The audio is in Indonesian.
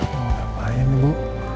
mau ngapain ibu